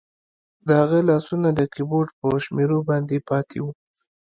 د هغه لاسونه د کیبورډ په شمیرو باندې پاتې وو